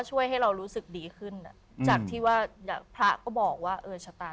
ช่วยให้เรารู้สึกดีขึ้นอ่ะจากที่ว่าพระก็บอกว่าเออชะตา